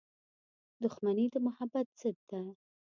• دښمني د محبت ضد ده.